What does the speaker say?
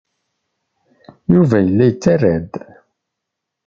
Yuba yella yettarra-d.